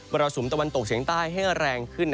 รสุมตะวันตกเฉียงใต้ให้แรงขึ้น